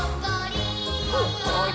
「ほっこり」